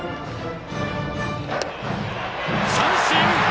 三振！